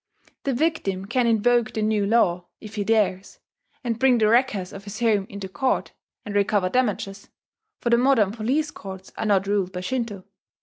The victim can invoke the new law, if he dares, and bring the wreckers of his home into court, and recover damages, for the modern police courts are not ruled by Shinto.